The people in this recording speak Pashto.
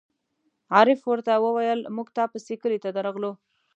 عارف ور ته وویل: مونږ تا پسې کلي ته درغلو.